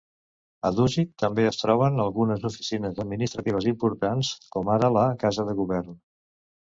A Dusit també es troben algunes oficines administratives importants, com ara la Casa de Govern.